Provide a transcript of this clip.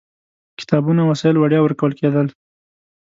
کتابونه او وسایل وړیا ورکول کېدل.